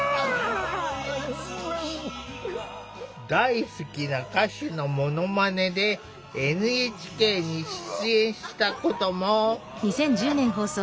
大好きな歌手のものまねでＮＨＫに出演したことも！